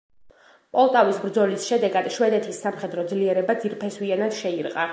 პოლტავის ბრძოლის შედეგად შვედეთის სამხედრო ძლიერება ძირფესვიანად შეირყა.